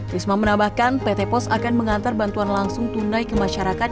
risma menambahkan pt pos akan mengantar bantuan langsung tunai ke masyarakat